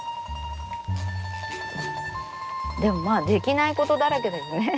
でもまあできないことだらけだよね。